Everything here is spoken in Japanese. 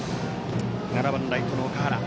７番ライトの岳原。